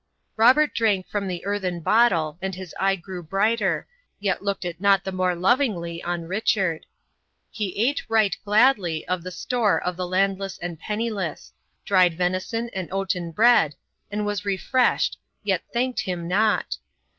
Robert drank from the earthen bottle, and his eye grew brighter, yet looked it not the more lovingly on Richard. He ate right gladly of the store of the landless and penniless, dried venison and oaten bread, and was refreshed, yet thanked him not.